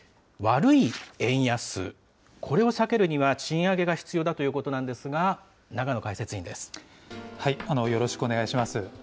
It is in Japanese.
悪い円安、これを避けるには賃上げが必要だということなんですが、よろしくお願いします。